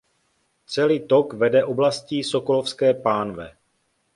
Celý tok vede oblastí Sokolovské pánve.